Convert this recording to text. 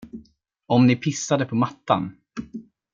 Om ni pissade på mattan?